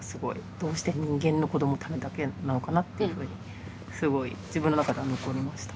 「どうして人間の子どものためだけなのかな」っていうふうにすごい自分の中では残りました。